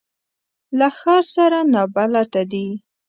له ښار سره نابلده دي.